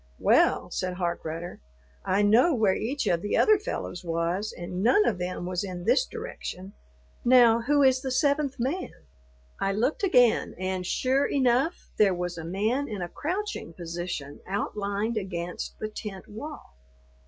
"Well," said Harkrudder, "I know where each of the other fellows was, and none of them was in this direction. Now who is the seventh man?" I looked again, and, sure enough, there was a man in a crouching position outlined against the tent wall.